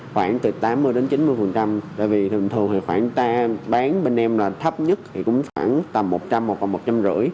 khoảng từ tám mươi đến chín mươi bởi vì thường thường thì khoản ta bán bên em là thấp nhất thì cũng khoảng tầm một trăm linh hoặc một trăm năm mươi